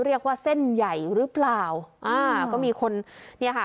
เรียกว่าเส้นใหญ่หรือเปล่าอ่าก็มีคนเนี่ยค่ะ